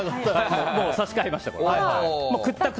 差し替えました。